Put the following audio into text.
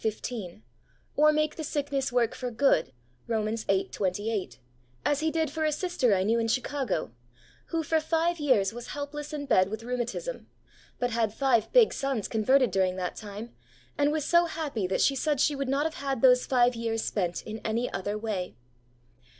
15) ; or make the sickness work for good (Rom. viii. 28), as He did for a sister I knew in Chicago, who for five years was helpless in bed with rheumatism, but had five big sons converted during that time, and was so happy that she said she would not have had those five years spent in any other way.